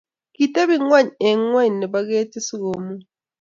Kitepi ngony eng ngony nepo ketit sikomuny